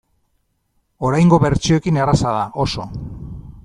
Oraingo bertsioekin erraza da, oso.